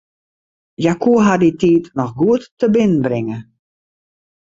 Hja koe har dy tiid noch goed tebinnenbringe.